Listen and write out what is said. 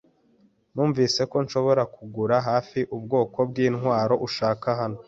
Numvise ko ushobora kugura hafi ubwoko bwintwaro ushaka hano.